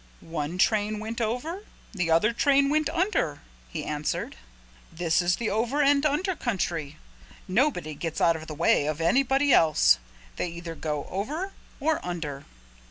"One train went over, the other train went under," he answered. "This is the Over and Under country. Nobody gets out of the way of anybody else. They either go over or under."